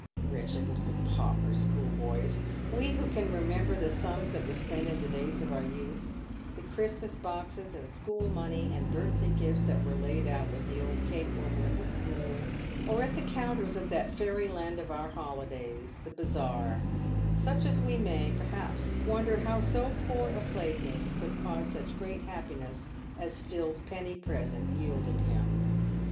"Wretched little pauper schoolboys ! "We who can remember the sums that were spent in the toys of our youth — the Christmas PAYED WITH GOLD. 47 boxes, and school money, and birthday gifts that were laid out with the old cake woman of the school, or at the counters of that fairyland of our holidays, the bazaar — such as we may, perhaps, wonder how so poor a plaything could cause such great happiness as Phil's penny present yielded him.